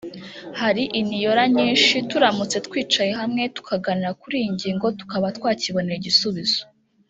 hari iniora nyinshi turamutse twicaye hamwe tukaganira kuri iyi ngingo tukaba twakibonera igisubizo